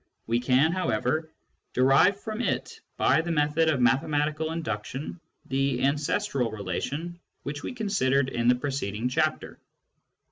We can, however, derive from it, by the method of mathematical induction, the " ancestral " relation which we considered in the preceding chapter.